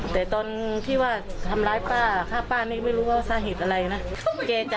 แต่ตอนที่ว่าทำร้ายป้าฆ่าป้านี่ไม่รู้ว่าสาเหตุอะไรนะ